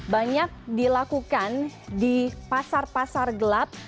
banyak dilakukan di pasar pasar gelap